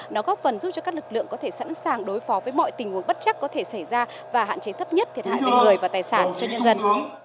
nó góp phần giúp cho các lực lượng có thể sẵn sàng đối phó với mọi tình huống bất chắc có thể xảy ra và hạn chế thấp nhất thiệt hại về người và tài sản cho nhân dân